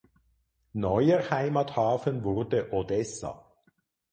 Neuer Heimathafen wurde Odessa.